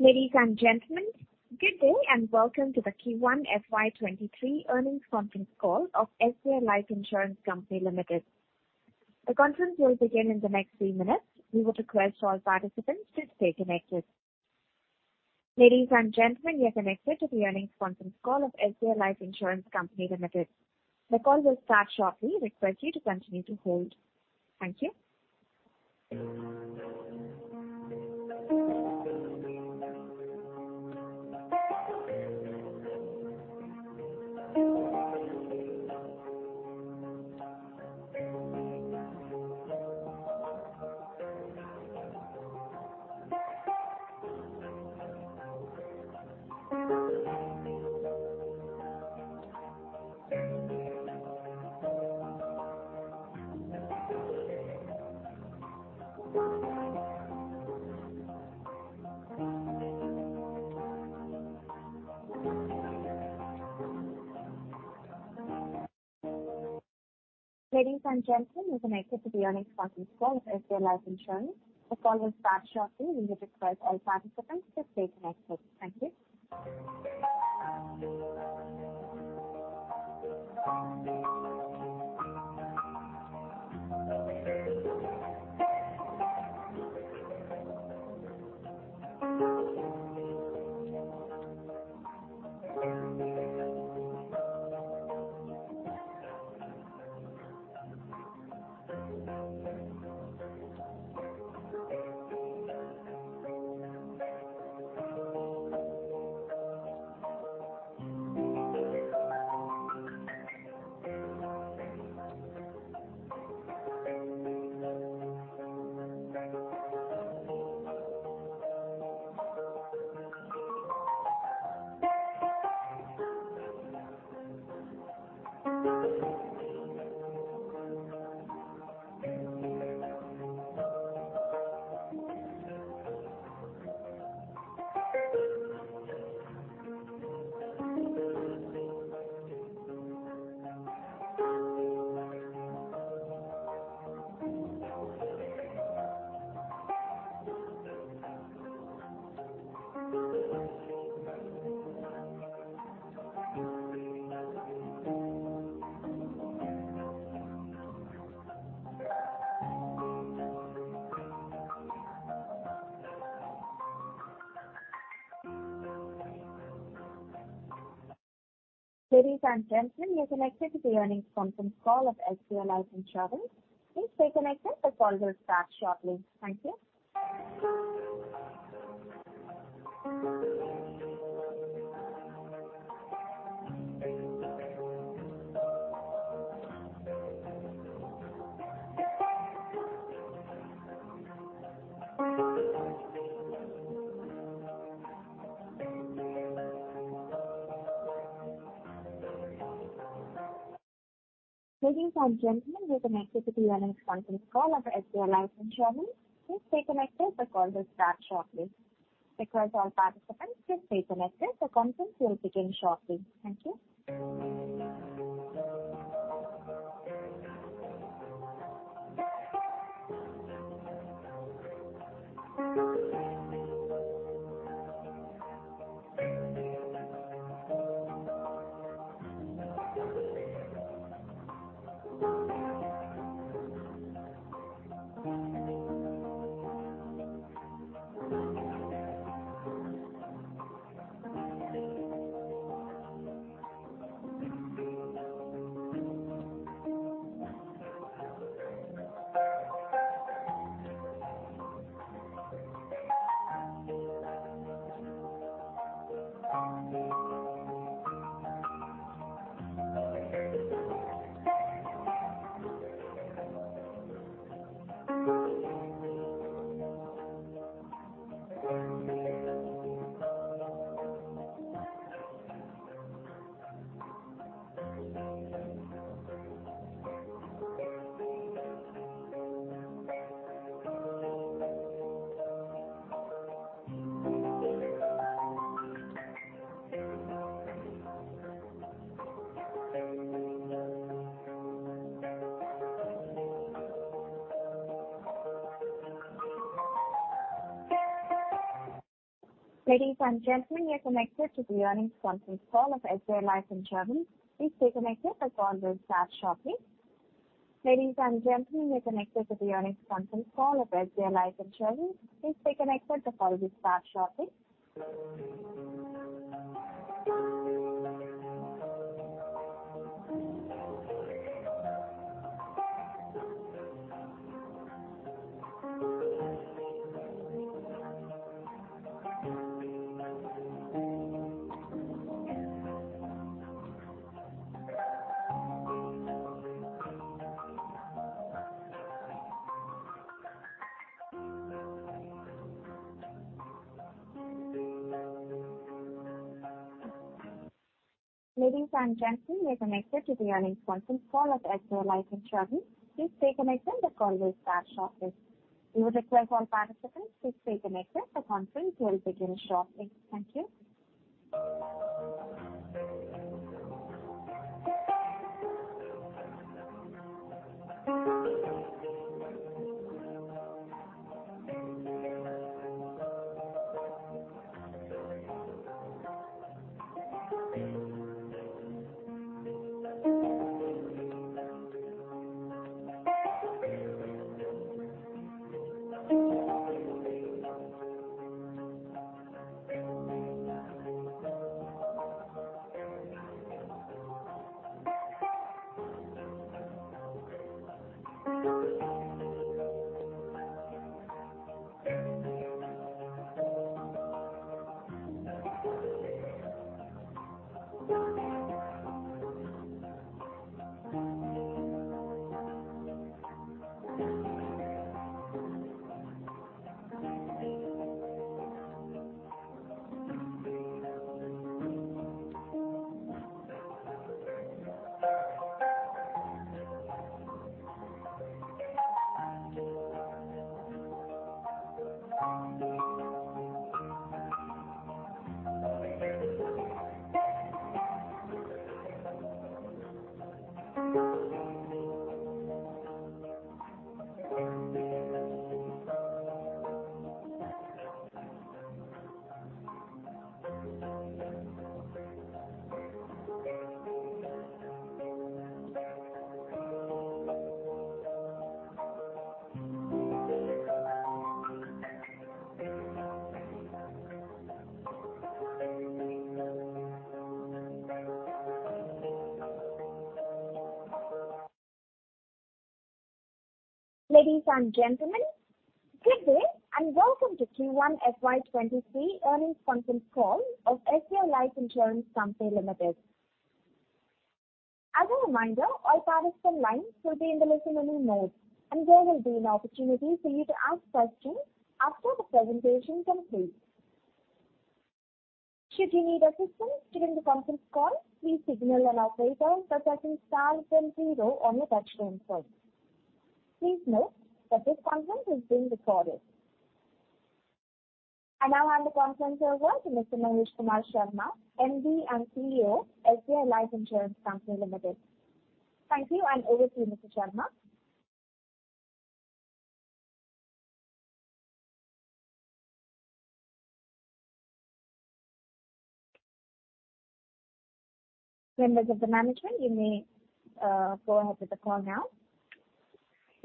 Ladies and gentlemen, good day, and welcome to the Q1 FY 2023 earnings conference call of SBI Life Insurance Company Limited. The conference will begin in the next three minutes. We would request all participants to stay connected. Ladies and gentlemen, you're connected to the earnings conference call of SBI Life Insurance Company Limited. The call will start shortly. We request you to continue to hold. Thank you. Ladies and gentlemen, you're connected to the earnings conference call of SBI Life Insurance. The call will start shortly. We would request all participants to stay connected. Thank you. Ladies and gentlemen, you're connected to the earnings conference call of SBI Life Insurance. Please stay connected. The call will start shortly. Thank you. Ladies and gentlemen, you're connected to the earnings conference call of SBI Life Insurance. Please stay connected. The call will start shortly. Ladies and gentlemen, you're connected to the earnings conference call of SBI Life Insurance. Please stay connected. The call will start shortly. Ladies and gentlemen, you're connected to the earnings conference call of SBI Life Insurance. Please stay connected. The call will start shortly. We would request all participants to stay connected. The conference will begin shortly. Thank you. Ladies and gentlemen, good day and welcome to Q1 FY23 earnings conference call of SBI Life Insurance Company Limited. As a reminder, all participant lines will be in the listen-only mode, and there will be an opportunity for you to ask questions after the presentation concludes. Should you need assistance during the conference call, please signal an operator by pressing star then zero on your touchtone phone. Please note that this conference is being recorded. I now hand the conference over to Mr. Mahesh Kumar Sharma, MD and CEO, SBI Life Insurance Company Limited. Thank you, and over to you, Mr. Sharma. Members of the management, you may go ahead with the call now.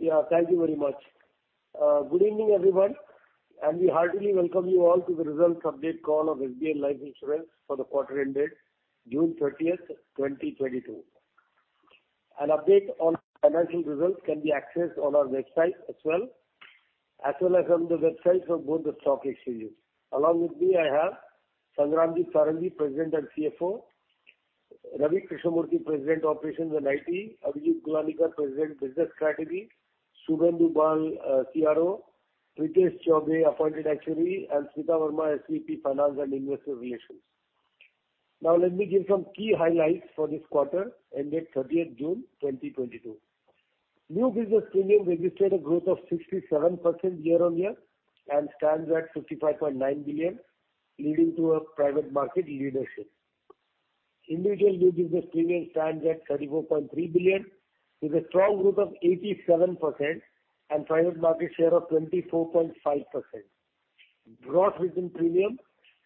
Yeah, thank you very much. Good evening, everyone, and we heartily welcome you all to the results update call of SBI Life Insurance for the quarter ended June 30, 2022. An update on financial results can be accessed on our website as well, as well as on the websites of both the stock exchanges. Along with me, I have Sangramjit Sarangi, President and CFO, Ravi Krishnamurthy, President, Operations and IT, Abhijit Gulanikar, President, Business Strategy, Subhendu Kumar Bal, CRO, Prithesh Chaubey, Appointed Actuary, and Smita Verma, SVP, Finance and Investor Relations. Now let me give some key highlights for this quarter ended June 30, 2022. New business premium registered a growth of 67% year-on-year and stands at 55.9 billion, leading to a private market leadership. Individual new business premium stands at 34.3 billion with a strong growth of 87% and private market share of 24.5%. Gross written premium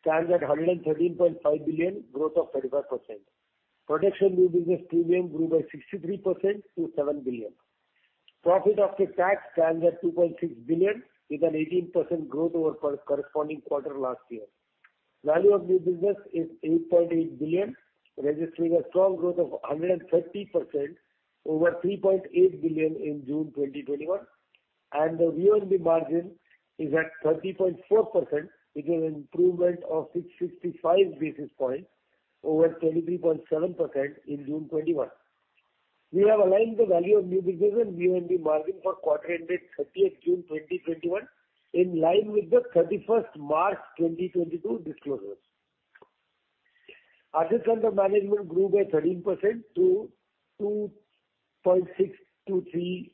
stands at 113.5 billion, growth of 35%. Production new business premium grew by 63% to 7 billion. Profit after tax stands at 2.6 billion with an 18% growth over corresponding quarter last year. Value of new business is 8.8 billion, registering a strong growth of 130% over 3.8 billion in June 2021, and the VNB margin is at 30.4%, which is an improvement of 665 basis points over 23.7% in June 2021. We have aligned the value of new business and VNB margin for quarter ended 30th June 2021 in line with the March 32st, 2022 disclosures. Assets under management grew by 13% to 2.623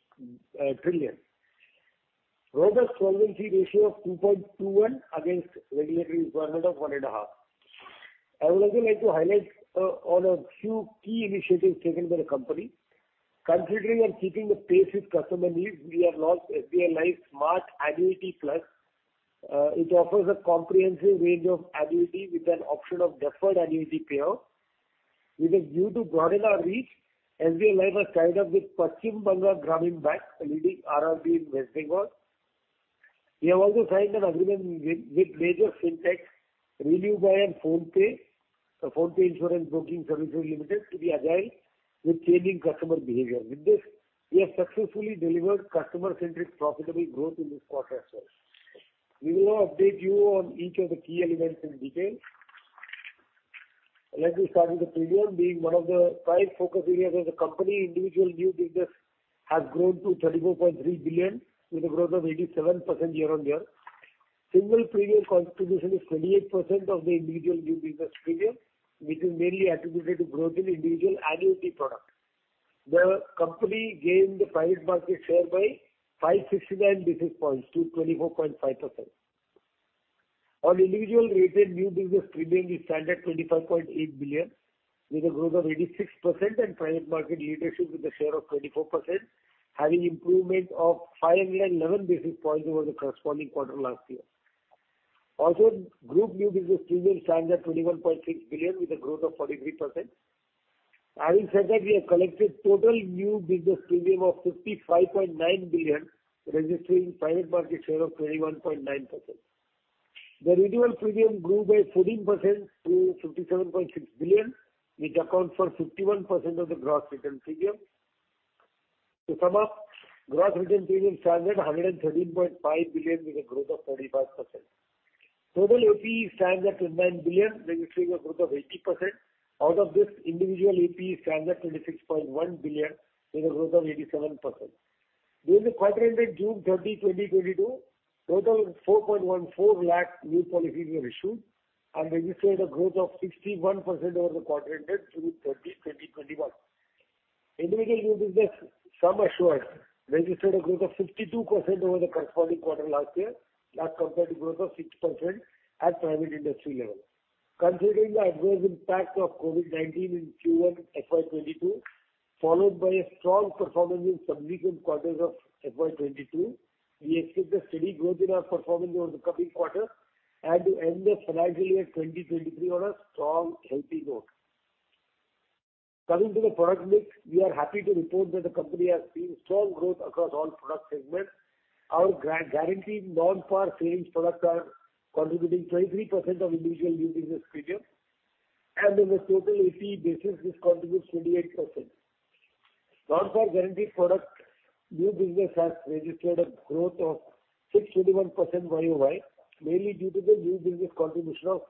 trillion. Robust solvency ratio of 2.21 against regulatory requirement of 1.5. I would also like to highlight on a few key initiatives taken by the company. Considering and keeping the pace with customer needs, we have launched SBI Life - Smart Annuity Plus. It offers a comprehensive range of annuity with an option of deferred annuity payout. With a view to broaden our reach, SBI Life has tied up with Paschim Banga Gramin Bank, a leading RRB in West Bengal. We have also signed an agreement with [Major Syntex] RenewBuy and PhonePe Insurance Broking Services Private Limited to be agile with changing customer behavior. With this, we have successfully delivered customer-centric profitable growth in this quarter as well. We will now update you on each of the key elements in detail. Let me start with the premium being one of the five focus areas of the company. Individual new business has grown to 34.3 billion with a growth of 87% year-on-year. Single premium contribution is 28% of the individual new business premium, which is mainly attributed to growth in individual annuity product. The company gained in the private market share by 569 basis points to 24.5%. Individual rated new business premium stands at 25.8 billion, with a growth of 86% and private market leadership with a share of 24%, having improvement of 511 basis points over the corresponding quarter last year. Group new business premium stands at 21.6 billion with a growth of 43%. Having said that, we have collected total new business premium of 55.9 billion, registering private market share of 21.9%. The renewal premium grew by 14% to 57.6 billion, which accounts for 51% of the gross written premium. Gross written premium stands at 113.5 billion with a growth of 45%. Total APE stands at 9 billion, registering a growth of 80%. Out of this individual APE stands at 26.1 billion with a growth of 87%. During the quarter ended June 30, 2022, total 4.14 lakh new policies were issued and registered a growth of 61% over the quarter ended June 30, 2021. Individual new business sum assured registered a growth of 62% over the corresponding quarter last year that compared to growth of 6% at private industry level. Considering the adverse impact of COVID-19 in Q1 FY 2022, followed by a strong performance in subsequent quarters of FY 2022, we expect a steady growth in our performance over the coming quarter and to end the financial year 2023 on a strong, healthy note. Coming to the product mix, we are happy to report that the company has seen strong growth across all product segments. Our guarantee non-par savings products are contributing 23% of individual new business premium, and on a total APE basis, this contributes 28%. Non-par guarantee product new business has registered a growth of 6.1% year-over-year, mainly due to the new business contribution of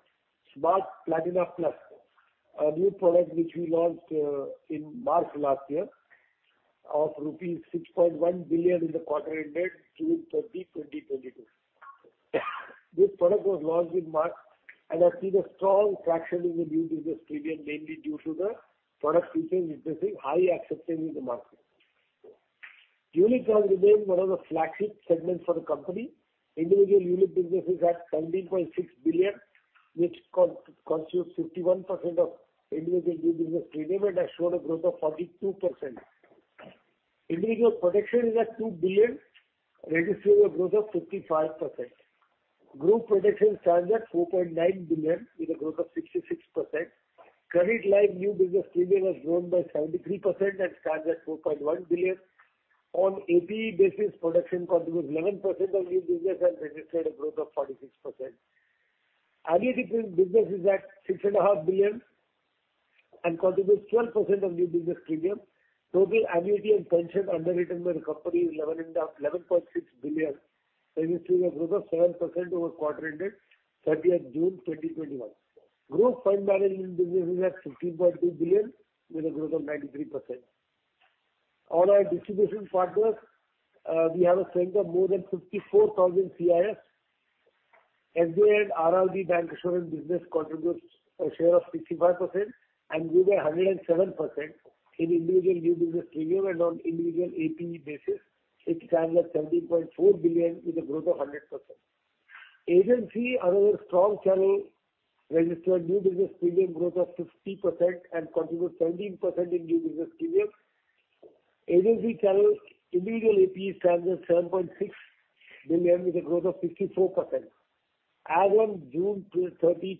Smart Platina Plus, a new product which we launched in March last year of rupees 6.1 billion in the quarter ended June 30, 2022. This product was launched in March and has seen a strong traction in the new business premium, mainly due to the product features addressing high acceptance in the market. Unit has remained one of the flagship segments for the company. Individual unit business is at 17.6 billion, which constitutes 51% of individual new business premium and has showed a growth of 42%. Individual protection is at 2 billion, registering a growth of 55%. Group protection stands at 4.9 billion with a growth of 66%. Current live new business premium has grown by 73% and stands at 4.1 billion. On APE basis, protection contributes 11% of new business and registered a growth of 46%. Annuity business is at 6.5 billion and contributes 12% of new business premium. Total annuity and pension underwritten by the company is 11.6 billion, registering a growth of 7% over quarter ended thirtieth June 2021. Group fund management business is at 15.2 billion with a growth of 93%. On our distribution partners, we have a strength of more than 54,000 CIFs. SBI & RRB insurance business contributes a share of 65% and grew by 107% in individual new business premium and on individual APE basis, it stands at 17.4 billion with a growth of 100%. Agency, another strong channel, registered new business premium growth of 60% and contributes 17% in new business premium. Agency channels individual APE stands at 7.6 billion with a growth of 64%. As on June 30,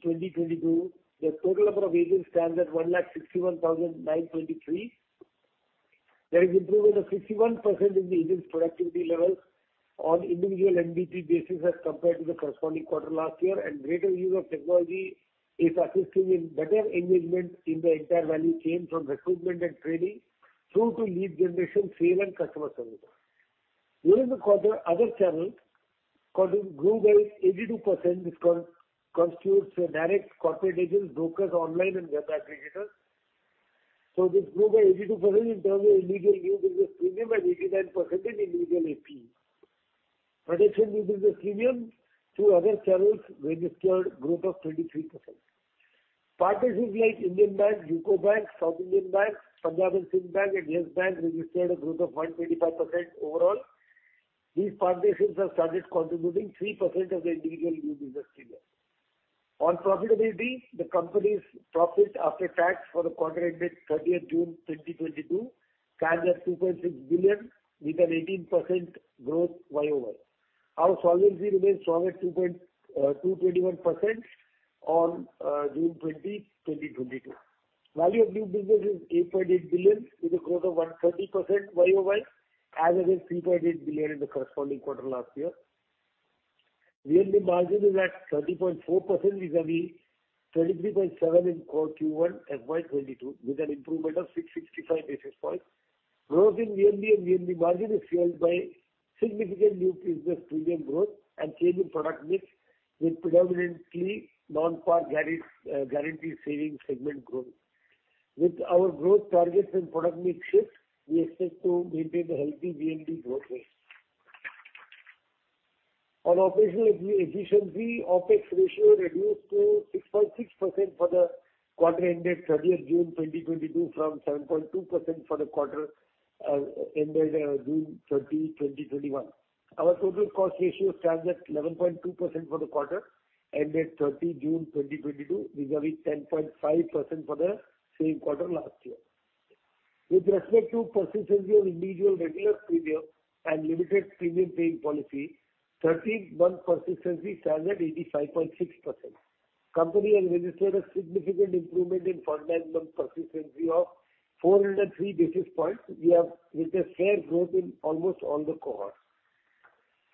2022, the total number of agents stands at 161,923. There is improvement of 61% in the agents' productivity levels on individual NBP basis as compared to the corresponding quarter last year. Greater use of technology is assisting in better engagement in the entire value chain from recruitment and training through to lead generation, sale, and customer service. During the quarter, other channels grew by 82%. This constitutes the direct corporate agents, brokers, online and web aggregators. This grew by 82% in terms of individual new business premium and 89% in individual APE. Production new business premium through other channels registered growth of 23%. Partnerships like Indian Bank, UCO Bank, South Indian Bank, Punjab & Sind Bank and Yes Bank registered a growth of 125% overall. These partnerships have started contributing 3% of the individual new business premium. On profitability, the company's profit after tax for the quarter ended 30th June 2022 stands at 2.6 billion with an 18% growth Y-o-Y. Our solvency remains strong at 221% on June 20, 2022. Value of new business is 8.8 billion with a growth of 130% YOY as against 3.8 billion in the corresponding quarter last year. VNB margin is at 30.4% vis-a-vis 33.7 in core Q1 FY22 with an improvement of 665 basis points. Growth in VNB and VNB margin is fueled by significant new business premium growth and change in product mix with predominantly non-par guarantee savings segment growth. With our growth targets and product mix shift, we expect to maintain a healthy VNB growth rate. On operational efficiency, OpEx ratio reduced to 6.6% for the quarter ended June 30, 2022 from 7.2% for the quarter ended June 30, 2021. Our total cost ratio stands at 11.2% for the quarter ended June 30, 2022, vis-à-vis 10.5% for the same quarter last year. With respect to persistency on individual regular premium and limited premium paying policy, 13-month persistency stands at 85.6%. The company has registered a significant improvement in front-end month persistency of 403 basis points. We have seen a fair growth in almost all the cohorts.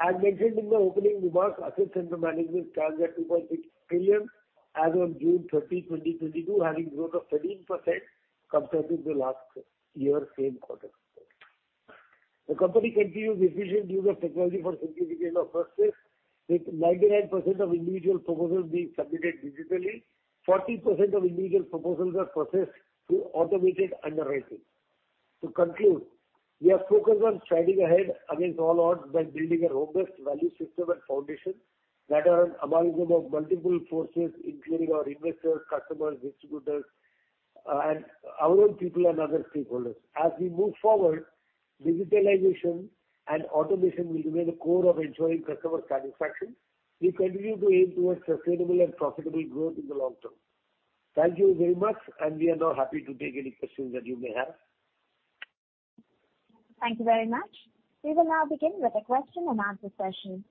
As mentioned in my opening remarks, assets under management stand at 2.6 billion as of June 30, 2022, having growth of 13% compared to the same quarter last year. The company continues efficient use of technology for simplification of processes, with 99% of individual proposals being submitted digitally. 40% of individual proposals are processed through automated underwriting. To conclude, we are focused on striding ahead against all odds by building a robust value system and foundation that are a amalgam of multiple forces, including our investors, customers, distributors, and our own people and other stakeholders. As we move forward, digitalization and automation will remain the core of ensuring customer satisfaction. We continue to aim towards sustainable and profitable growth in the long term. Thank you very much, and we are now happy to take any questions that you may have. Thank you very much. We will now begin with the question and answer session.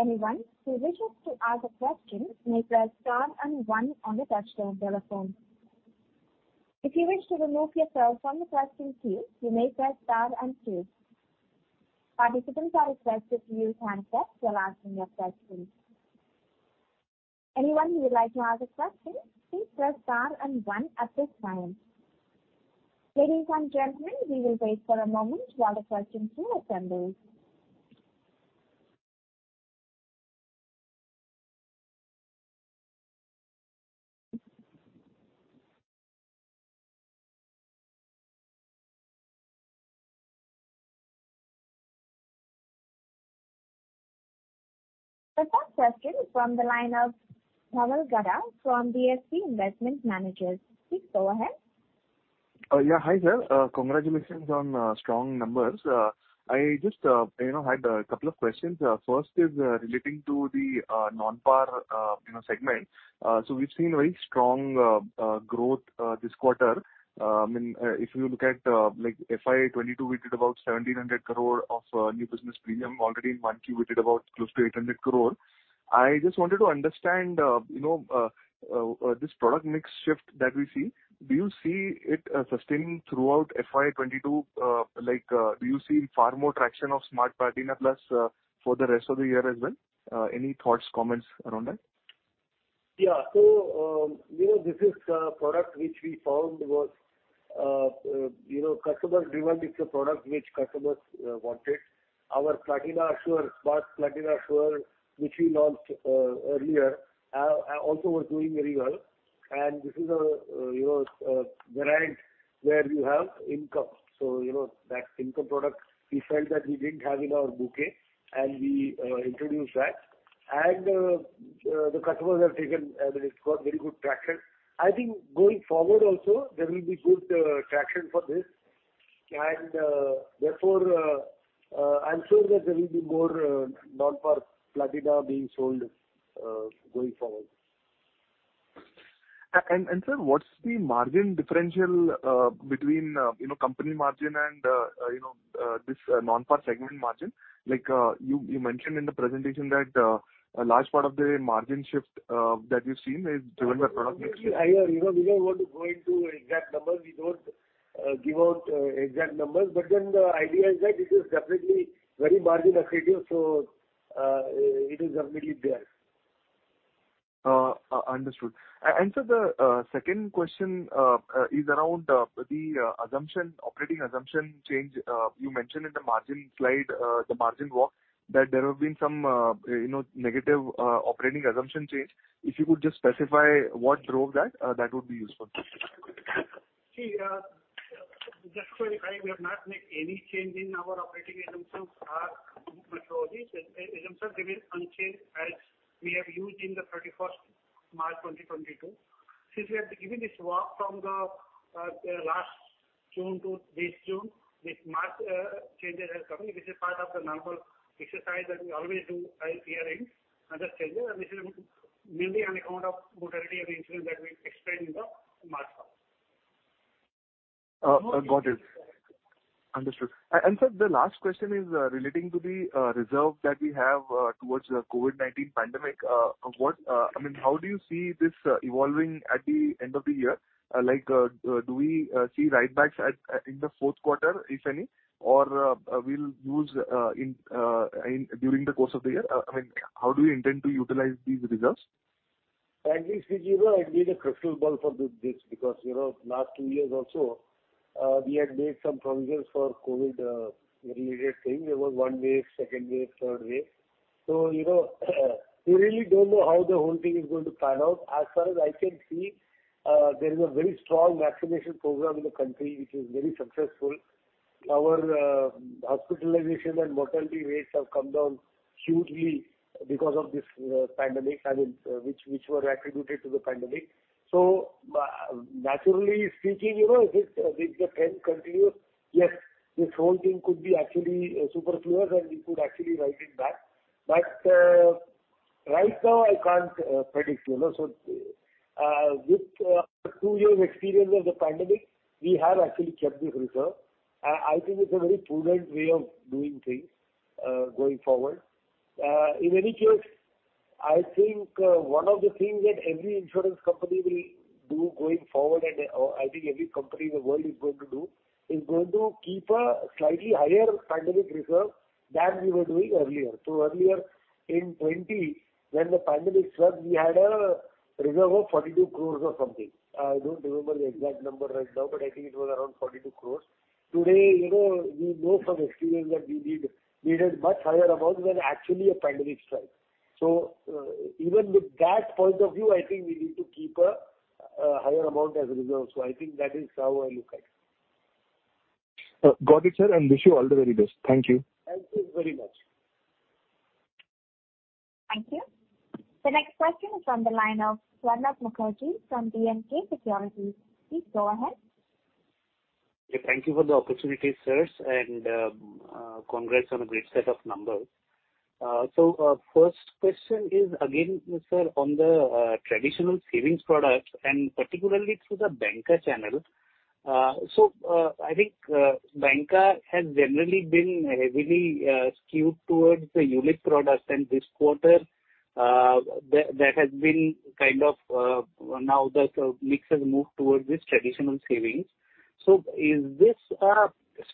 Anyone who wishes to ask a question may press star and one on the touchtone telephone. If you wish to remove yourself from the question queue, you may press star and two. Participants are requested to use handset while asking your questions. Anyone who would like to ask a question, please press star and one at this time. Ladies and gentlemen, we will wait for a moment while the question queue assembles. The first question is from the line of Dhaval Gada from DSP Investment Managers. Please go ahead. Yeah. Hi, sir. Congratulations on strong numbers. I just you know had a couple of questions. First is relating to the non-par you know segment. So we've seen very strong growth this quarter. I mean if you look at like FY 2022, we did about 1,700 crore of new business premium. Already in 9M we did about close to 800 crore. I just wanted to understand you know this product mix shift that we see. Do you see it sustaining throughout FY 2022? Like do you see far more traction of Smart Platina Plus for the rest of the year as well? Any thoughts, comments around that? Yeah. You know, this is a product which we found was, you know, customer driven. It's a product which customers wanted. Our Smart Platina Assure, which we launched earlier, also was doing very well. This is a, you know, a variant where you have income, so you know, that income product we felt that we didn't have in our bouquet, and we introduced that. The customers have taken. I mean, it's got very good traction. I think going forward also there will be good traction for this. Therefore, I'm sure that there will be more non-par Platina being sold going forward. Sir, what's the margin differential between, you know, company margin and, you know, this non-par segment margin? Like, you mentioned in the presentation that a large part of the margin shift that you've seen is driven by product mix. Actually, you know, we don't want to go into exact numbers. We don't give out exact numbers. The idea is that this is definitely very margin accretive, so it is definitely there. Understood. Sir, the second question is around the operating assumption change. You mentioned in the margin slide, the margin walk, that there have been some, you know, negative operating assumption change. If you could just specify what drove that would be useful. See, just to verify, we have not made any change in our operating assumptions or methodologies. Assumptions remain unchanged as we have used in the 31 March 2022. Since we have given this walk from the last June to this June, this March changes are coming. This is part of the normal exercise that we always do while hearing other changes. This is mainly on account of mortality and insurance that we explained in the March call. Got it. Understood. Sir, the last question is relating to the reserve that we have towards the COVID-19 pandemic. I mean, how do you see this evolving at the end of the year? Like, do we see write-backs in the fourth quarter, if any? Or, we'll use during the course of the year? I mean, how do you intend to utilize these reserves? Frankly speaking, you know, I need a crystal ball for this because, you know, last two years also, we had made some provisions for COVID related thing. There was one wave, second wave, third wave. You know, we really don't know how the whole thing is going to pan out. As far as I can see, there is a very strong vaccination program in the country, which is very successful. The hospitalization and mortality rates have come down hugely because of this pandemic, I mean, which were attributed to the pandemic. Naturally speaking, you know, if the trend continues, yes, this whole thing could be actually superfluous, and we could actually write it back. But right now I can't predict, you know. With two years experience of the pandemic, we have actually kept this reserve. I think it's a very prudent way of doing things, going forward. In any case, I think one of the things that every insurance company will do going forward, and I think every company in the world is going to do, is going to keep a slightly higher pandemic reserve than we were doing earlier. Earlier in 2020, when the pandemic struck, we had a reserve of 42 crores or something. I don't remember the exact number right now, but I think it was around 42 crores. Today, you know, we know from experience that we need, needed much higher amounts when actually a pandemic strikes. Even with that point of view, I think we need to keep a higher amount as a reserve. I think that is how I look at it. Got it, sir, and wish you all the very best. Thank you. Thank you very much. Thank you. The next question is from the line of Swarnabha Mukherjee from B&K Securities. Please go ahead. Yeah, thank you for the opportunity, sirs, and congrats on a great set of numbers. First question is again, sir, on the traditional savings products and particularly through the banker channel. I think banker has generally been heavily skewed towards the unit products and this quarter the mix has moved towards this traditional savings. Is this a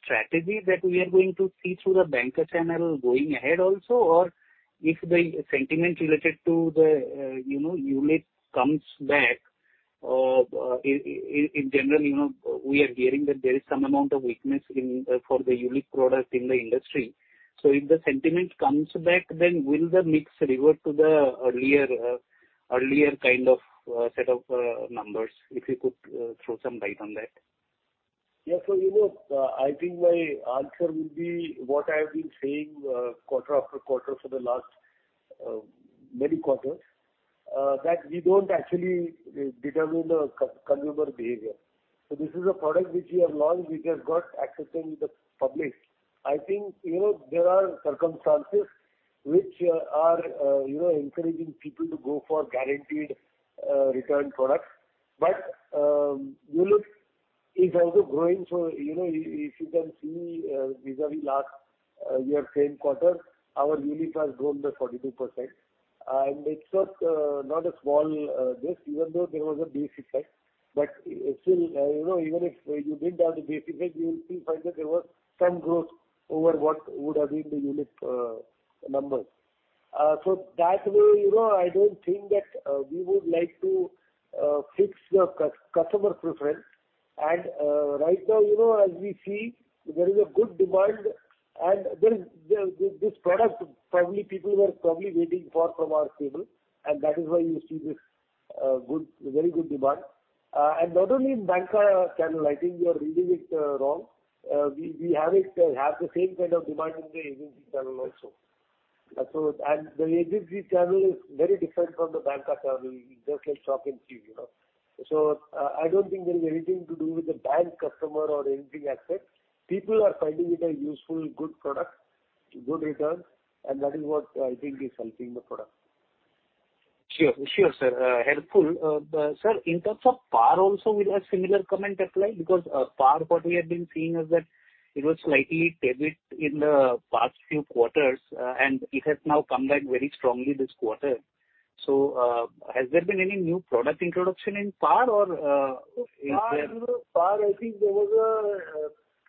strategy that we are going to see through the banker channel going ahead also? Or if the sentiment related to the, you know, unit comes back in general, you know, we are hearing that there is some amount of weakness in the unit product in the industry. If the sentiment comes back, then will the mix revert to the earlier kind of set of numbers? If you could throw some light on that. Yeah. You know, I think my answer will be what I have been saying quarter after quarter for the last many quarters that we don't actually determine the customer behavior. This is a product which we have launched, which has got acceptance with the public. I think, you know, there are circumstances which are encouraging people to go for guaranteed return products. ULIP is also growing. You know, if you can see vis-a-vis last year same quarter, our ULIP has grown by 42%. And it's not a small this even though there was a base effect. Still, you know, even if you did have the base effect, you will still find that there was some growth over what would have been the ULIP numbers. That way, you know, I don't think that we would like to fix the customer preference. Right now, you know, as we see there is a good demand and there is this product probably people were waiting for from our stable and that is why you see this very good demand. Not only in banker channel, I think you are reading it wrong. We have the same kind of demand in the agency channel also. The agency channel is very different from the banker channel. It's just like chalk and cheese, you know. I don't think there is anything to do with the bank customer or any other aspect. People are finding it a useful good product, good return, and that is what I think is helping the product. Sure, sir. Helpful. Sir, in terms of PAR also will a similar comment apply? Because, PAR what we have been seeing is that it was slightly tepid in the past few quarters, and it has now come back very strongly this quarter. Has there been any new product introduction in PAR or, is there- Par, you know, I think there was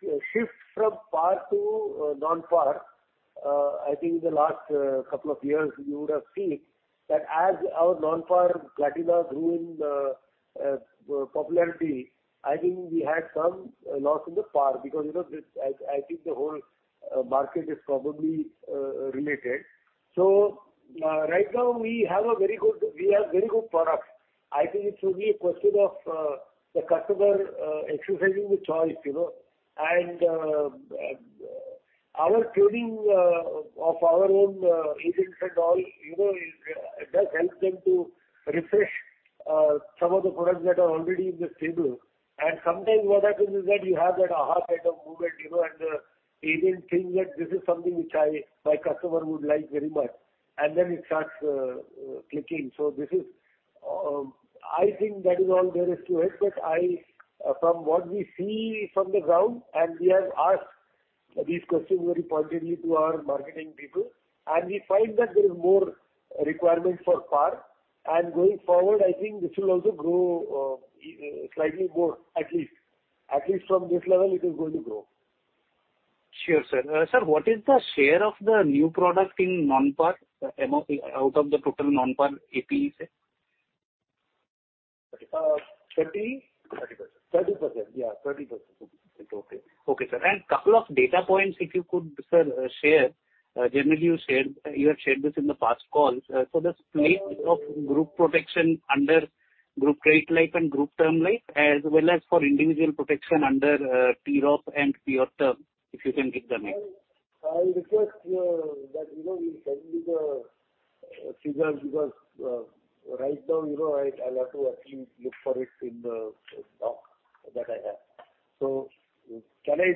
a shift from par to non-par. I think the last couple of years you would have seen that as our non-par Platina grew in popularity. I think we had some loss in the par because, you know, this, I think the whole market is probably related. Right now we have very good products. I think it's only a question of the customer exercising the choice, you know. Our training of our own agents and all, you know, it does help them to refresh some of the products that are already in the stable. Sometimes what happens is that you have that aha kind of moment, you know, and the agent thinks that this is something which I, my customer would like very much and then it starts clicking. This is, I think that is all there is to it, but from what we see from the ground, and we have asked these questions very pointedly to our marketing people, and we find that there is more requirement for par. Going forward, I think this will also grow slightly more, at least. At least from this level it is going to grow. Sure, sir. Sir, what is the share of the new product in non-par out of the total non-par APE sale? 30. 30%. 30%. Yeah, 30%. Okay. Okay, sir. Couple of data points if you could, sir, share. Generally you have shared this in the past calls. The split of group protection under group retail life and group term life, as well as for individual protection under TROP and pure term, if you can give the numbers. I request that, you know, you send me the figures because right now, you know, I'll have to at least look for it in the stock that I have. Can I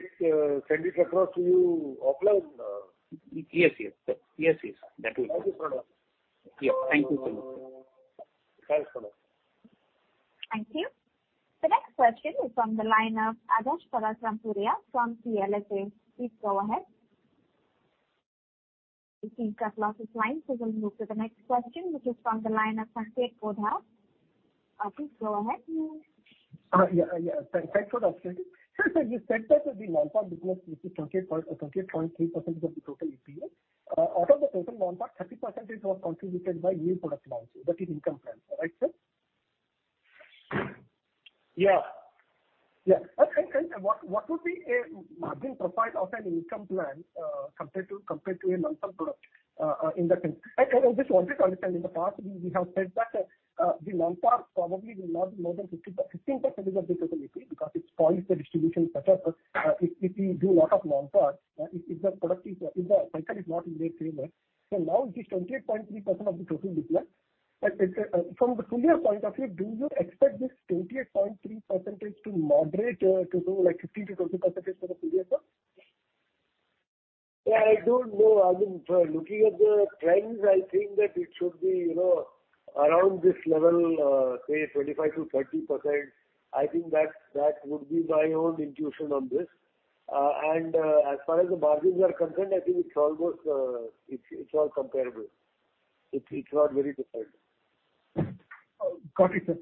send it across to you offline? Yes. Yes. That will be fine. Thank you, Praful. Yeah. Thank you so much. Thanks, Praful. Thank you. The next question is from the line of Adarsh Parasrampuria from CLSA. Please go ahead. He's cut off his line, so we'll move to the next question, which is from the line of Sanket Godha. Please go ahead. Yeah. Thanks for the opportunity. You said that the non-par business is 28 or 28.3% of the total APE. Out of the total non-par, 30% is contributed by new product launch that is income plan. Right, sir? Yeah. Yeah. What would be a margin profile of an income plan compared to a non-par product in the... I just wanted to understand. In the past, we have said that the non-par probably will not be more than fifteen percent of the total EPA because it spoils the distribution if you do a lot of non-par if the cycle is not in their favor. Now it is 28.3% of the total business. But it's from the full year point of view, do you expect this 28.3% to moderate to, you know, like 15%-20% for the full year, sir? Yeah, I don't know. I mean, looking at the trends, I think that it should be, you know, around this level, say 25%-30%. I think that would be my own intuition on this. As far as the margins are concerned, I think it's almost, it's all comparable. It's not very different. Got it, sir.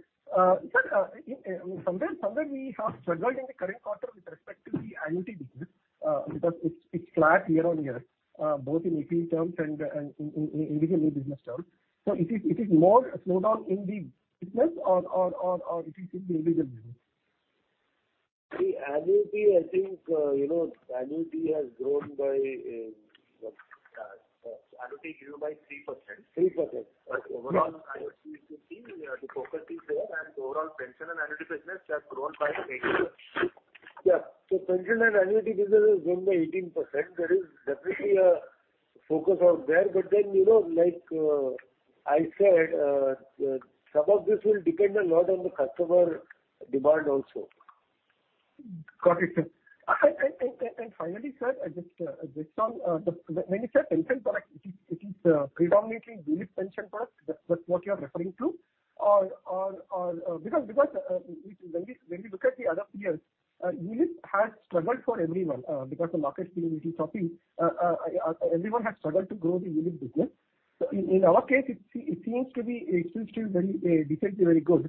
Somewhere we have struggled in the current quarter with respect to the annuity business, because it's flat year on year, both in EP terms and in individual new business terms. Is it more a slowdown in the business or is it in the individual business? The annuity, I think, you know, annuity has grown by what? Yeah. Annuity grew by 3%. Got it. Overall, I would say the focus is there, and overall pension and annuity business has grown by 18%. Yeah. Pension and annuity business has grown by 18%. There is definitely a focus out there. You know, like, I said, some of this will depend a lot on the customer demand also. Got it, sir. Finally, sir, I just on when you said pension product, it is predominantly ULIP pension product that's what you're referring to or. Because when we look at the other peers, ULIP has struggled for everyone because the market's been a little choppy. Everyone has struggled to grow the ULIP business. In our case, it seems to be very decently very good.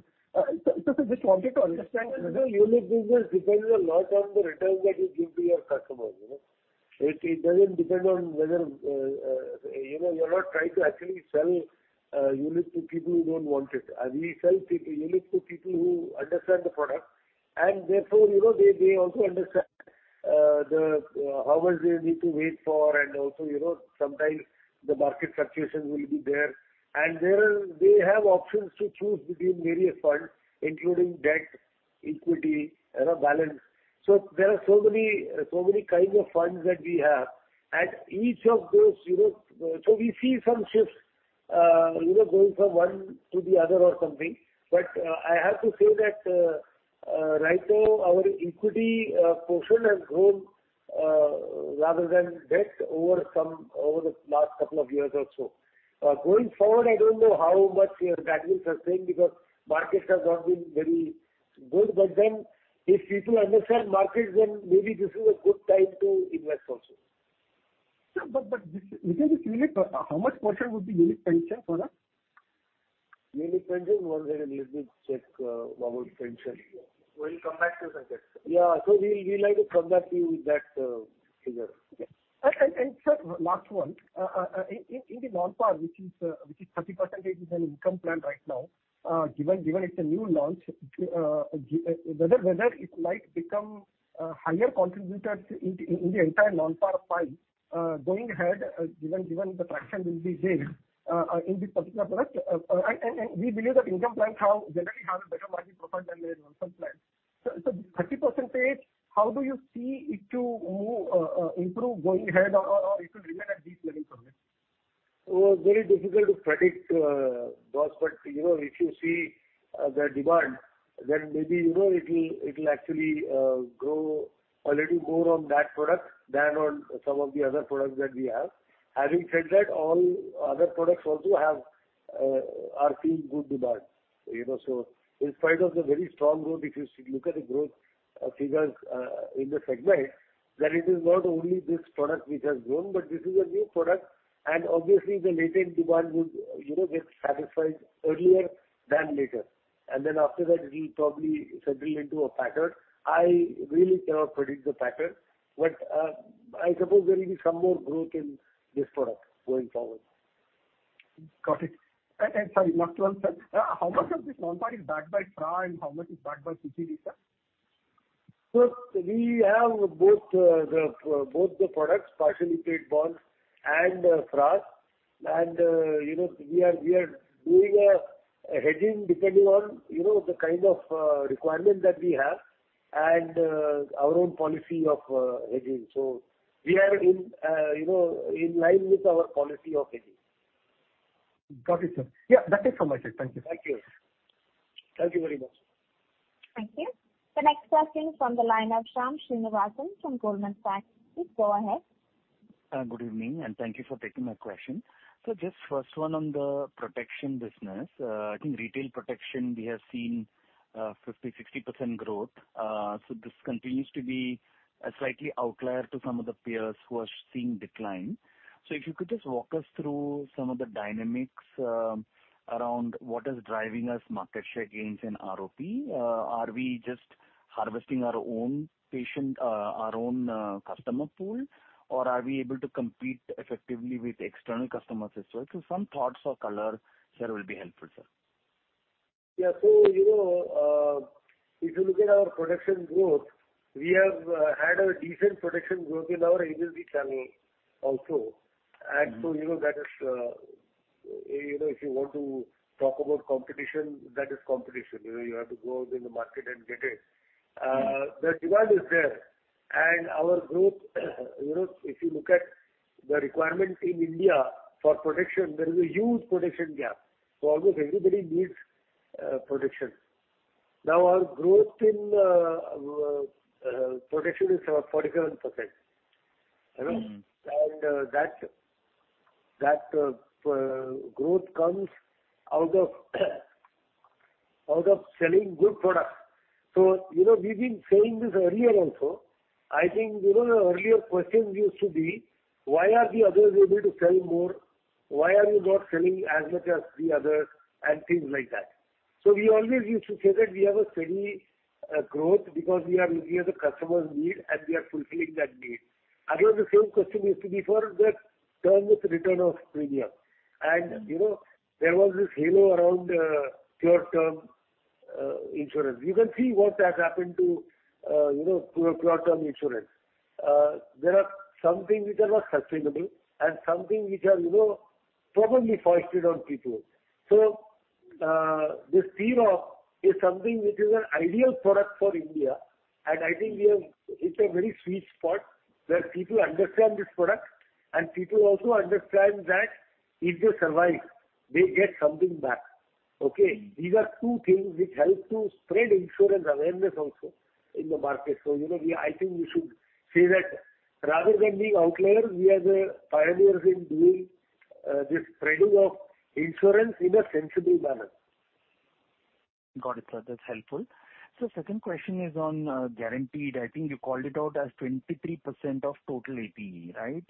Just wanted to understand. ULIP business depends a lot on the returns that you give to your customer, you know. It doesn't depend on whether you know, you're not trying to actually sell ULIP to people who don't want it. We sell ULIP to people who understand the product, and therefore, you know, they also understand how much they need to wait for. Also, you know, sometimes the market fluctuations will be there. There they have options to choose between various funds, including debt, equity, you know, balance. There are so many kinds of funds that we have. Each of those, you know, so we see some shifts, you know, going from one to the other or something. I have to say that, right now our equity portion has grown rather than debt over the last couple of years or so. Going forward, I don't know how much, you know, that will sustain because market has not been very good. If people understand markets, then maybe this is a good time to invest also. Sir, within this ULIP, how much portion would be ULIP pension product? ULIP pension, one second. Let me check about pension. We'll come back to you, Sanket. Yeah. We'll like to come back to you with that figure. Okay. Sir, last one. In the non-par, which is 30% is an income plan right now, given it's a new launch, whether it might become a higher contributor in the entire non-par pie, going ahead, in this particular product. We believe that income plans generally have a better margin profile than the non-par plans. 30%, how do you see it to move, improve going ahead or it will remain at this level from here? Very difficult to predict, you know, if you see the demand, then maybe, you know, it'll actually grow a little more on that product than on some of the other products that we have. Having said that, all other products also are seeing good demand. You know, in spite of the very strong growth, if you look at the growth figures in the segment, then it is not only this product which has grown, but this is a new product and obviously the latent demand would, you know, get satisfied earlier than later. Then after that it'll probably settle into a pattern. I really cannot predict the pattern, I suppose there will be some more growth in this product going forward. Got it. Sorry, last one, sir. How much of this non-par is backed by G-Secs and how much is backed by CD, sir? We have both the products, partially paid bonds and FRAs. You know, we are doing a hedging depending on the kind of requirement that we have and our own policy of hedging. We are in line with our policy of hedging. Got it, sir. Yeah, that is from my side. Thank you. Thank you. Thank you very much. Thank you. The next question from the line of Shyam Srinivasan from Goldman Sachs. Please go ahead. Good evening, and thank you for taking my question. Just first one on the protection business. I think retail protection we have seen 50%-60% growth. This continues to be a slight outlier to some of the peers who are seeing decline. If you could just walk us through some of the dynamics around what is driving our market share gains in TROP. Are we just harvesting our own customer pool? Or are we able to compete effectively with external customers as well? Some thoughts or color here will be helpful, sir. Yeah. You know, if you look at our protection growth, we have had a decent protection growth in our agency channel also. You know, that is, you know, if you want to talk about competition, that is competition. You know, you have to go out in the market and get it. The demand is there and our growth, you know, if you look at the requirement in India for protection, there is a huge protection gap. Almost everybody needs protection. Now, our growth in protection is around 47%. You know? Mm-hmm. That growth comes out of selling good products. You know, we've been saying this earlier also. I think, you know, the earlier question used to be why are the others able to sell more? Why are you not selling as much as the others? And things like that. We always used to say that we have a steady growth because we are looking at the customer's need and we are fulfilling that need. Again, the same question used to be for that term with return of premium. You know, there was this halo around pure term insurance. You can see what has happened to, you know, pure term insurance. There are some things which are not sustainable and some things which are, you know, probably foisted on people. This feature is something which is an ideal product for India, and I think we have hit a very sweet spot where people understand this product and people also understand that if they survive, they get something back. Okay. These are two things which help to spread insurance awareness also in the market. You know, we, I think we should say that rather than being outliers, we are the pioneers in doing this spreading of insurance in a sensible manner. Got it, sir. That's helpful. Second question is on guaranteed. I think you called it out as 23% of total APE, right?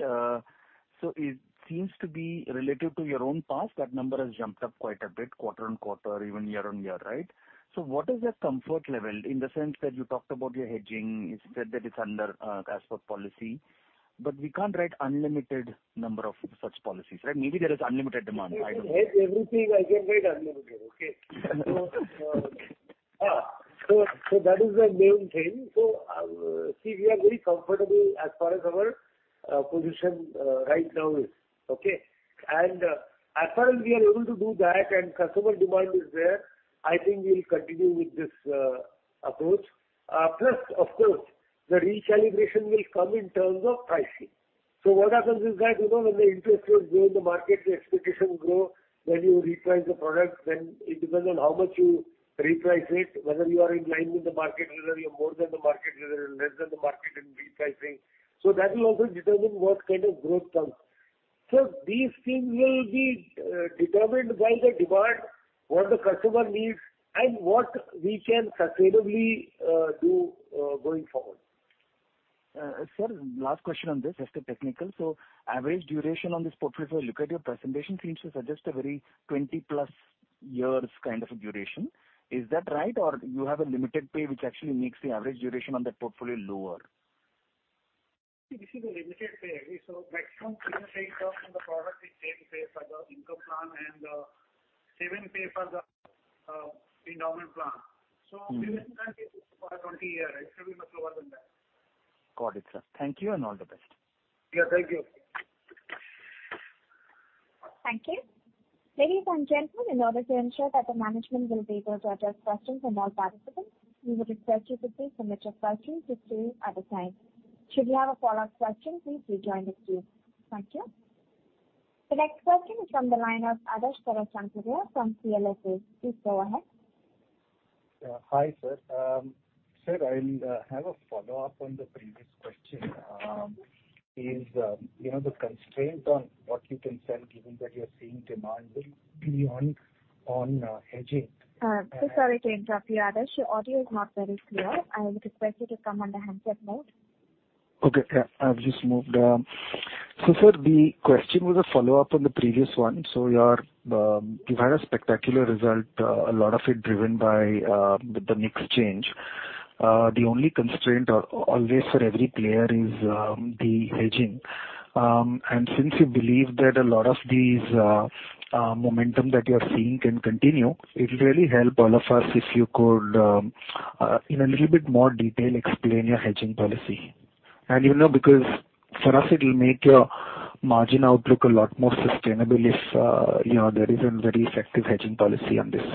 It seems to be relative to your own past, that number has jumped up quite a bit quarter-on-quarter, even year-on-year, right? What is your comfort level in the sense that you talked about your hedging, you said that it's under as per policy, but we can't write unlimited number of such policies, right? Maybe there is unlimited demand. I don't know. If I can hedge everything, I can write unlimited. Okay? That is the main thing. See, we are very comfortable as far as our position right now is. Okay? As far as we are able to do that and customer demand is there, I think we'll continue with this approach. Plus of course, the recalibration will come in terms of pricing. What happens is that, you know, when the interest rates grow in the market, the expectations grow. When you reprice the product, then it depends on how much you reprice it, whether you are in line with the market, whether you're more than the market, whether you're less than the market in repricing. That will also determine what kind of growth comes. These things will be determined by the demand, what the customer needs and what we can sustainably do going forward. Sir, last question on this, just a technical. Average duration on this portfolio, if I look at your presentation, seems to suggest a very 20+ years kind of a duration. Is that right? Or you have a limited pay which actually makes the average duration on that portfolio lower. See, this is a limited pay. Maximum premium paid term on the product is same pay for the income plan and saving pay for the endowment plan. Mm-hmm. Pure term is for a 20-year. It should be much lower than that. Got it, sir. Thank you and all the best. Yeah, thank you. Thank you. Ladies and gentlemen, in order to ensure that the management will be able to address questions from all participants, we would request you to please limit your questions to two at a time. Should you have a follow-up question, please rejoin the queue. Thank you. The next question is from the line of Adarsh Parasrampuria from CLSA. Please go ahead. Hi, sir. Sir, I'll have a follow-up on the previous question. Is, you know, the constraint on what you can sell given that you're seeing demand will be on hedging? Sorry to interrupt you, Adarsh. Your audio is not very clear. I would request you to come on the handset mode. Okay. Yeah, I've just moved. Sir, the question was a follow-up on the previous one. Your you've had a spectacular result, a lot of it driven by the mix change. The only constraint always for every player is the hedging. Since you believe that a lot of these momentum that you're seeing can continue, it'll really help all of us if you could in a little bit more detail explain your hedging policy. You know, because for us it will make your margin outlook a lot more sustainable if you know, there is a very effective hedging policy on this.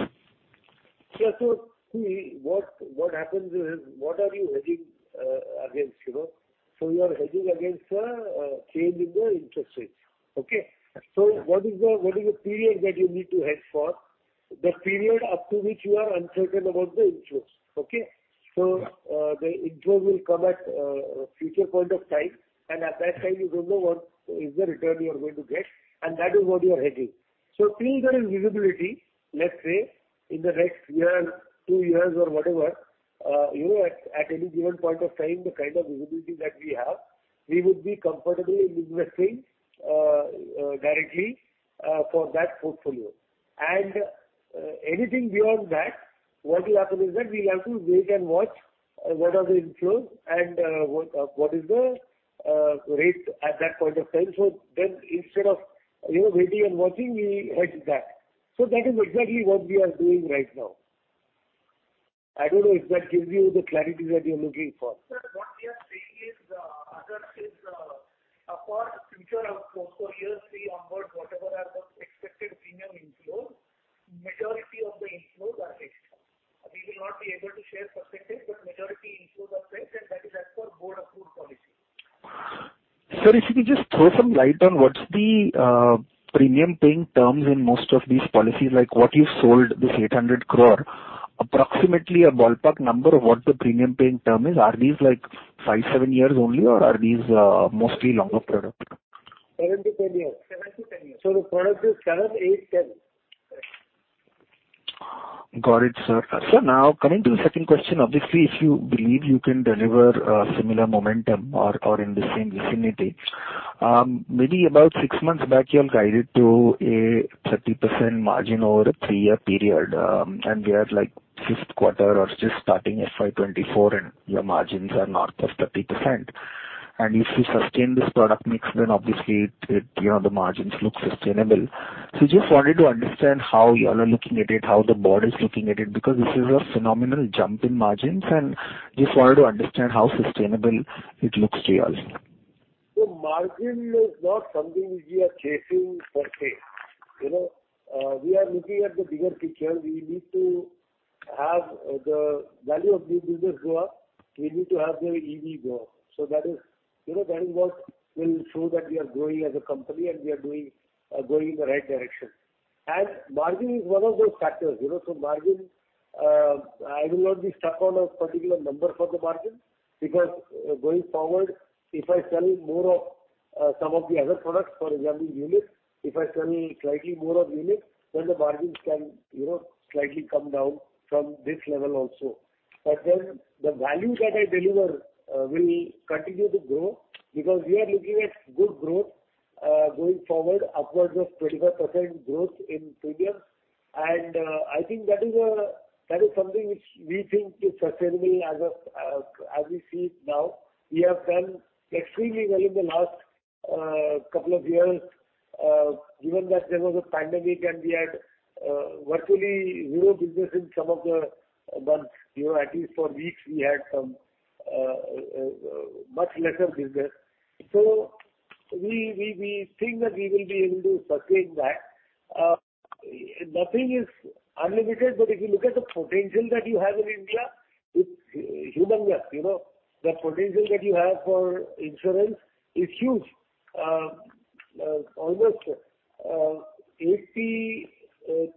Yeah. See, what happens is, what are you hedging against, you know? You are hedging against the change in the interest rates. Okay. What is the period that you need to hedge for? The period up to which you are uncertain about the inflows. Okay. Yeah. The inflow will come at a future point of time, and at that time you don't know what is the return you are going to get, and that is what you are hedging. Till there is visibility, let's say in the next year, two years or whatever, you know, at any given point of time, the kind of visibility that we have, we would be comfortably investing directly for that portfolio. Anything beyond that, what will happen is that we'll have to wait and watch what are the inflows and what is the rate at that point of time. Instead of, you know, waiting and watching, we hedge that. That is exactly what we are doing right now. I don't know if that gives you the clarity that you're looking for. Sir, what we are saying is, as I said, apart from future outlook for years three onwards, whatever are the expected premium inflows, majority of the inflows are hedged. We will not be able to share percentage, but majority inflows are hedged, and that is as per board-approved policy. Sir, if you could just throw some light on what's the premium paying terms in most of these policies. Like, what you've sold this 800 crore, approximately a ballpark number of what the premium paying term is. Are these like 5, 7 years only, or are these mostly longer product? 7-10 years. 7-10 years. The product is 7, 8, 10. Got it, sir. Sir, now coming to the second question. Obviously, if you believe you can deliver similar momentum or in the same vicinity, maybe about six months back you all guided to a 30% margin over a three-year period. We are like fifth quarter or just starting FY 2024 and your margins are north of 30%. If you sustain this product mix then obviously it you know the margins look sustainable. Just wanted to understand how you all are looking at it, how the board is looking at it, because this is a phenomenal jump in margins and just wanted to understand how sustainable it looks to you all. Margin is not something which we are chasing per se. We are looking at the bigger picture. We need to have the value of new business go up. We need to have the EV grow. That is what will show that we are growing as a company and we are going in the right direction. Margin is one of those factors. Margin, I will not be stuck on a particular number for the margin because going forward, if I sell more of some of the other products, for example, unit, if I sell slightly more of unit, then the margins can slightly come down from this level also. The value that I deliver will continue to grow because we are looking at good growth going forward upwards of 25% growth in premium. I think that is something which we think is sustainable as of as we see it now. We have done extremely well in the last couple of years given that there was a pandemic and we had virtually zero business in some of the months. At least for weeks we had some much lesser business. We think that we will be able to sustain that. Nothing is unlimited, but if you look at the potential that you have in India, it's humongous. The potential that you have for insurance is huge. Almost 82%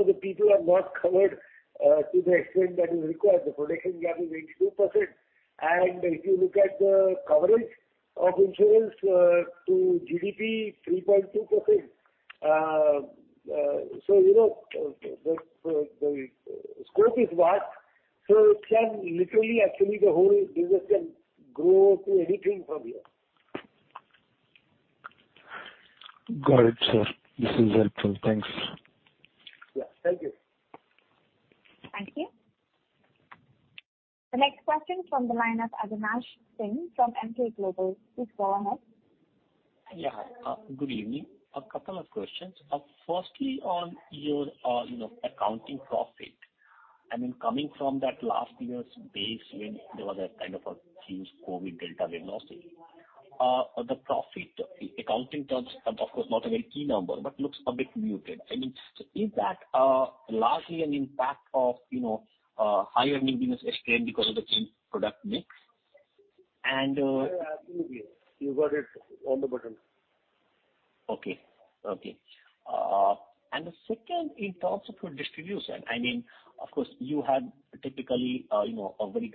of the people are not covered to the extent that is required. The protection gap is 82%. If you look at the coverage of insurance to GDP, 3.2%. You know, the scope is vast, so it can literally actually the whole business can grow to anything from here. Got it, sir. This is helpful. Thanks. Yeah. Thank you. Thank you. The next question from the line of Avinash Singh from Emkay Global. Please go ahead. Yeah. Good evening. A couple of questions. Firstly on your, you know, accounting profit. I mean, coming from that last year's base when there was a kind of a huge COVID Delta wave also. The profit in accounting terms, of course, not a very key number, but looks a bit muted. I mean, so is that largely an impact of, you know, higher new business explained because of the change product mix? Yeah, absolutely. You got it on the button. Okay. And the second, in terms of your distribution, I mean, of course, you had typically, you know, a very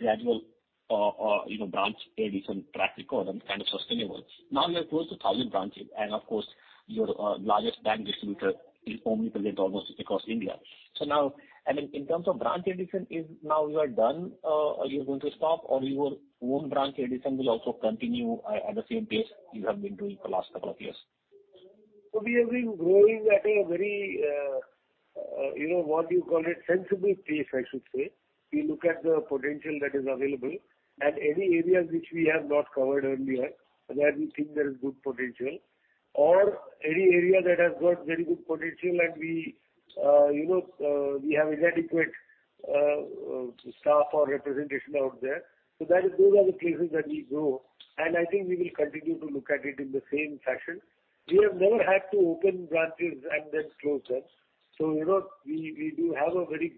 gradual, you know, branch addition track record and kind of sustainable. Now you are close to 1,000 branches and of course your largest bank distributor is omnipresent almost across India. So now, I mean, in terms of branch addition, now are you done, are you going to stop or your own branch addition will also continue at the same pace you have been doing for the last couple of years? We have been growing at a very, you know, sensible pace, I should say. We look at the potential that is available and any areas which we have not covered earlier where we think there is good potential or any area that has got very good potential and we, you know, we have inadequate staff or representation out there. Those are the places that we grow. I think we will continue to look at it in the same fashion. We have never had to open branches and then close them. You know, we do have a very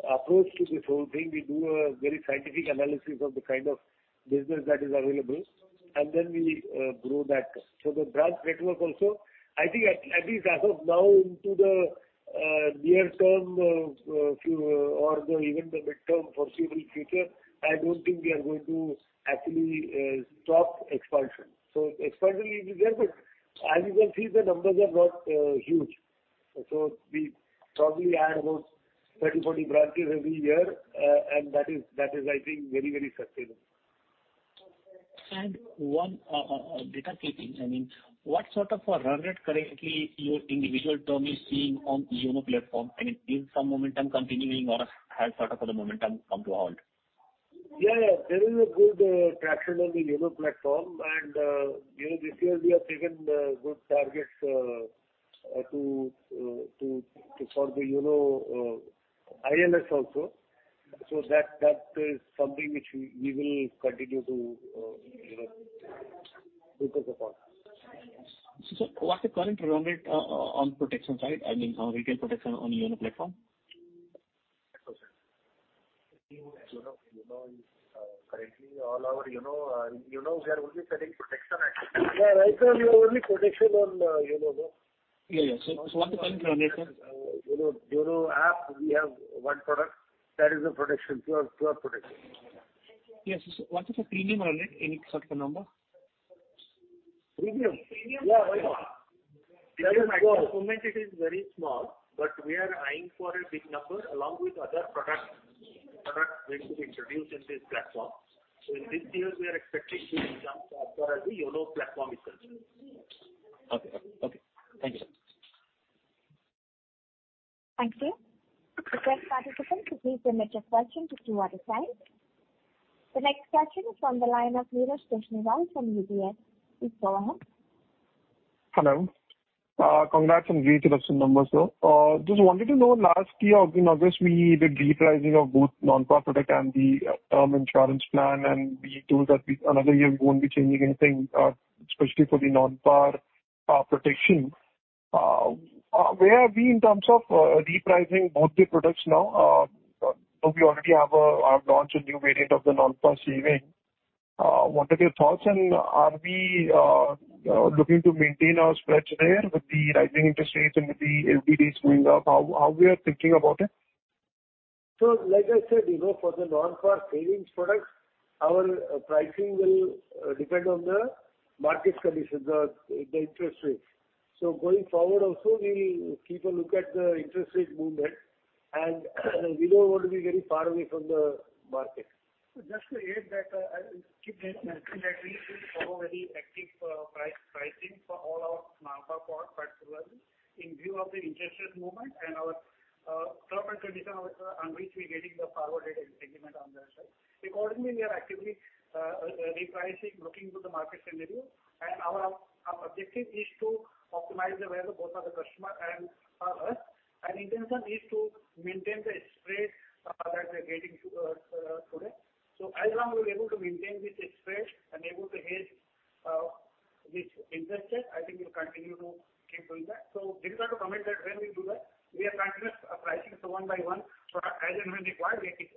good approach to this whole thing. We do a very scientific analysis of the kind of business that is available, and then we grow that. The branch network also, I think at least as of now into the near term, or even the mid-term foreseeable future, I don't think we are going to actually stop expansion. Expansion will be there, but as you can see, the numbers are not huge. We probably add about 30-40 branches every year. That is, I think, very sustainable. One data point. I mean, what sort of a run rate currently your individual term is seeing on YONO platform? I mean, is some momentum continuing or has sort of the momentum come to a halt? Yeah, yeah. There is a good traction on the YONO platform. You know, this year we have taken good targets to form the YONO ILS also. That is something which we will continue to you know focus upon. What's the current run rate on protection side? I mean, on retail protection on YONO platform. You know, currently all our YONO we are only selling protection actually. Yeah, right now we have only protection on YONO, no? Yeah, yeah. What's the current run rate, sir? YONO app we have one product that is a protection, pure protection. Yes. What is the premium run rate? Any sort of a number? Premium. Premium. Yeah. Yeah. At the moment it is very small, but we are eyeing for a big number along with other products which we introduced in this platform. In this year we are expecting to jump as far as the YONO platform itself. Okay. Thank you, sir. Thank you. I request participants to please limit your question to two at a time. The next question is from the line of Niraj Seshadri from UBS. Please go ahead. Hello. Congrats on great adoption numbers, sir. Just wanted to know last year in August we did re-pricing of both non-par product and the term insurance plan, and we told that another year we won't be changing anything, especially for the non-par protection. Where are we in terms of re-pricing both the products now? We already have launched a new variant of the non-par saving. What are your thoughts? Are we looking to maintain our spreads there with the rising interest rates and with the LBDs going up, how we are thinking about it? Like I said, you know, for the non-par savings product, our pricing will depend on the market condition, the interest rates. Going forward also we keep a look at the interest rate movement and we don't want to be very far away from the market. Just to add that, I keep mentioning that we should follow very active pricing for all our non-par product particularly in view of the interest rate movement and our profit condition on which we're getting the forward segment on that side. Accordingly, we are actively repricing looking to the market scenario. Our objective is to optimize the value both for the customer and us. Intention is to maintain the spread that we are getting to today. As long as we're able to maintain this spread and able to hedge this interest rate, I think we'll continue to keep doing that. We cannot commit that when we do that, we are continuous pricing so one by one. As and when required we keep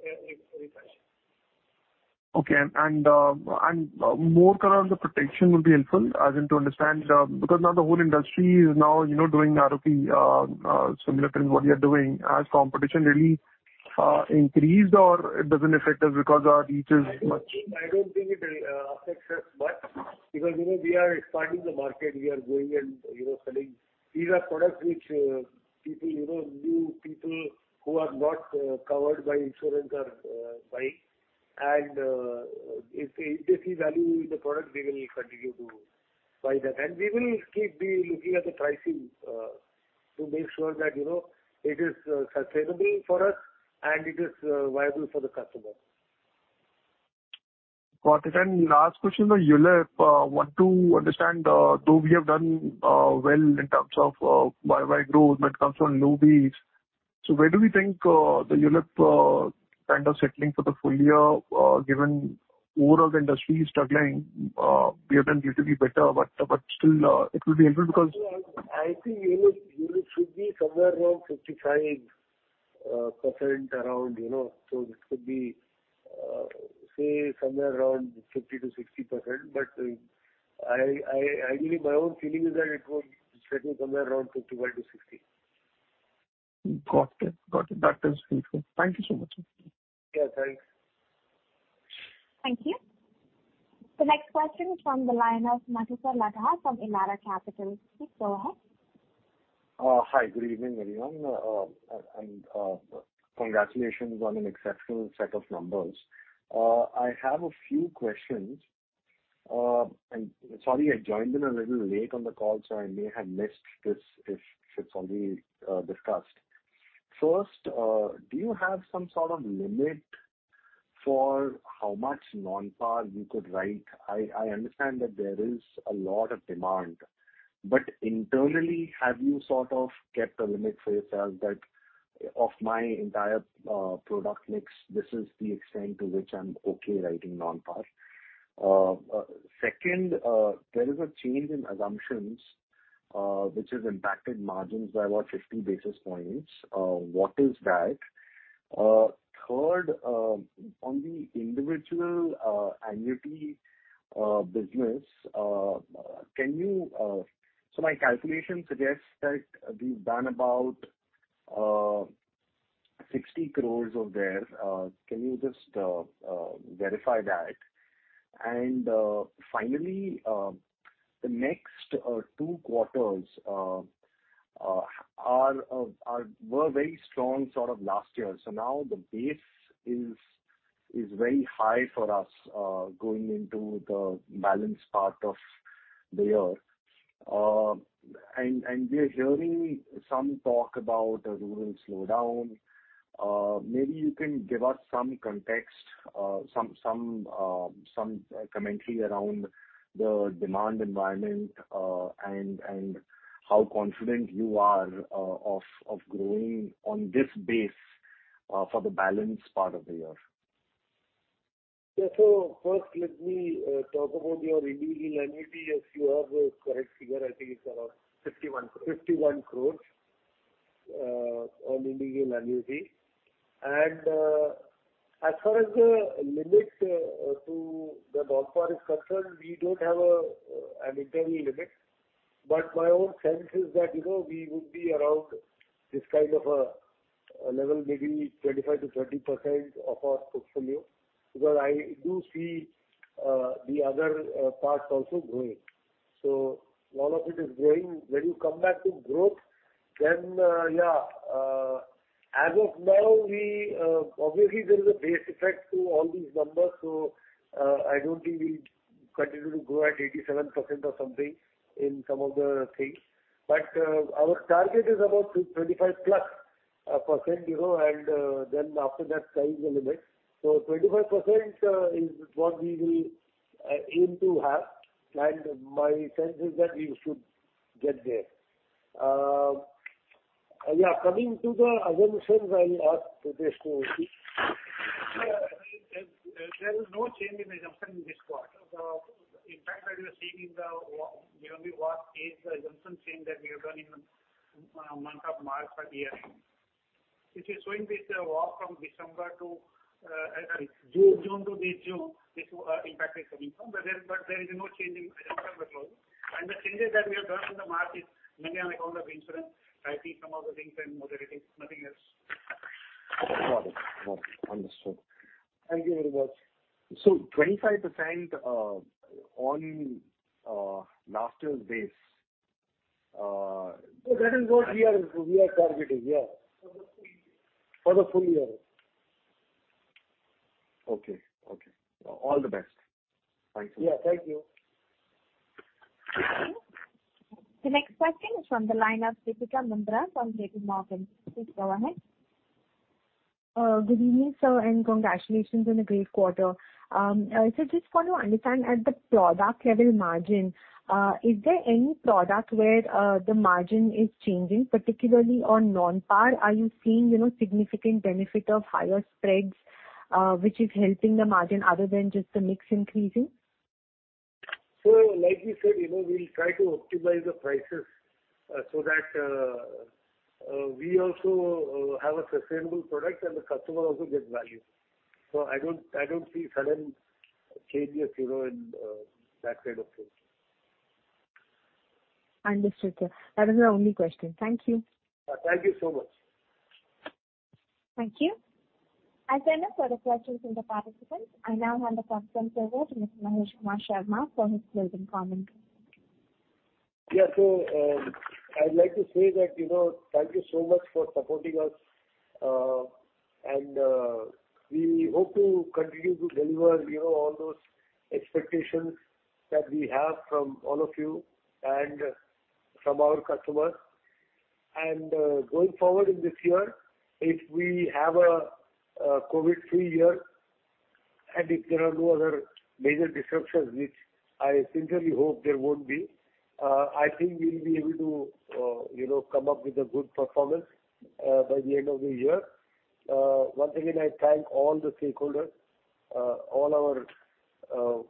repricing. Okay. More color on the protection would be helpful as in to understand, because now the whole industry is, you know, doing nearly similar to what we are doing. Has competition really increased or it doesn't affect us because our reach is much- I don't think it affects us much because, you know, we are expanding the market. We are going and, you know, selling. These are products which people, you know, new people who are not covered by insurance are buying. If they see value in the product, they will continue to buy that. We will keep be looking at the pricing to make sure that, you know, it is sustainable for us and it is viable for the customer. Got it. Last question on ULIP. Want to understand, though we have done well in terms of YOY growth when it comes from low base. Where do we think the ULIP kind of settling for the full year, given whole of industry is struggling. We have done relatively better, but still, it will be helpful because- I think ULIP should be somewhere around 55% around, you know. This could be, say somewhere around 50-60%. I believe my own feeling is that it would settle somewhere around 55-60%. Got it. That is helpful. Thank you so much. Yeah, thanks. Thank you. The next question is from the line of Madhusudan Lahoti from Elara Capital. Please go ahead. Hi, good evening, everyone. Congratulations on an exceptional set of numbers. I have a few questions. Sorry, I joined in a little late on the call, so I may have missed this if it's already discussed. First, do you have some sort of limit for how much non-par you could write? I understand that there is a lot of demand, but internally, have you sort of kept a limit for yourself that of my entire product mix, this is the extent to which I'm okay writing non-par? Second, there is a change in assumptions, which has impacted margins by about 50 basis points. What is that? Third, on the individual annuity business, can you... My calculation suggests that we've done about 60 crore over there. Can you just verify that? Finally, the next two quarters were very strong sort of last year. Now the base is very high for us, going into the balance part of the year. We're hearing some talk about a rural slowdown. Maybe you can give us some context, some commentary around the demand environment, and how confident you are of growing on this base, for the balance part of the year. Yeah. First let me talk about your individual annuity. Yes, you have the correct figure. I think it's around. 51 crore. 51 crore on individual annuity. As far as the limits to the non-par is concerned, we don't have an internal limit. My own sense is that, you know, we would be around this kind of level, maybe 25%-30% of our portfolio, because I do see the other parts also growing. A lot of it is growing. When you come back to growth, yeah. As of now, we obviously there's a base effect to all these numbers, I don't think we'll continue to grow at 87% or something in some of the things. Our target is about 25%+, you know, after that, sky is the limit. 25% is what we will aim to have. My sense is that we should get there. Yeah, coming to the assumptions, I'll ask Ritesh to repeat. Yeah. There's no change in assumption in this quarter. In fact that you're seeing in the year-on-year walk is the assumption saying that we are done in the month of March for the year end. This is showing this walk from December to, sorry, June to this June, this impact is coming from. There is no change in assumption as such. The changes that we have done in the market, mainly on account of insurance IT, some of the things, and moderating, nothing else. Got it. Understood. Thank you very much. 25% on last year's base. That is what we are targeting, yeah. For the full year. For the full year. Okay. All the best. Thanks. Yeah. Thank you. The next question is from the line of Deepika Mundra from JPMorgan. Please go ahead. Good evening, sir, and congratulations on a great quarter. Just want to understand at the product level margin, is there any product where the margin is changing, particularly on non-par? Are you seeing, you know, significant benefit of higher spreads, which is helping the margin other than just the mix increasing? Like we said, you know, we'll try to optimize the prices, so that we also have a sustainable product and the customer also gets value. I don't see sudden changes, you know, in that side of things. Understood, sir. That was my only question. Thank you. Thank you so much. Thank you. As there are no further questions from the participants, I now hand the conference over to Mr. Mahesh Kumar Sharma for his closing comments. Yeah. I'd like to say that, you know, thank you so much for supporting us. We hope to continue to deliver, you know, all those expectations that we have from all of you and from our customers. Going forward in this year, if we have a COVID-free year, and if there are no other major disruptions, which I sincerely hope there won't be, I think we'll be able to, you know, come up with a good performance by the end of the year. Once again, I thank all the stakeholders, all our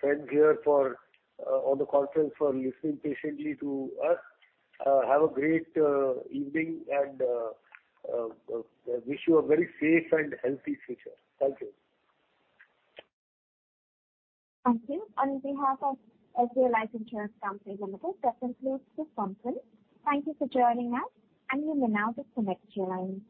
friends here for on the conference for listening patiently to us. Have a great evening and wish you a very safe and healthy future. Thank you. Thank you. On behalf of SBI Life Insurance Company Limited, that concludes this conference. Thank you for joining us, and you may now disconnect your lines.